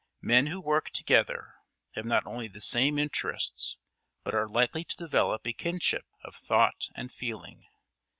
Men who work together have not only the same interests, but are likely to develop a kinship of thought and feeling.